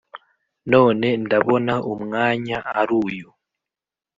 None ndabona umwanya aruyu